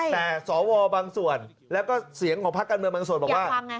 แต่สวบางส่วนแล้วก็เสียงของพักการเมืองบางส่วนบอกว่า